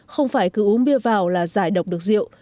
không phải cứ uống bia vào là giải độc được rượu